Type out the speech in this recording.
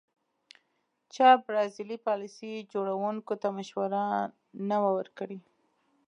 چا برازیلي پالیسي جوړوونکو ته مشوره نه وه ورکړې.